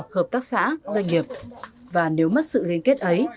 hợp tác xã doanh nghiệp và nếu mất sự liên kết ấy